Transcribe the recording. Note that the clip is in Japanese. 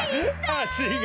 あしが。